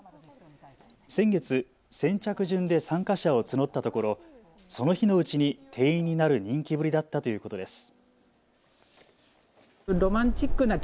先月、先着順で参加者を募ったところ、その日のうちに定員になる人気ぶりだったということです。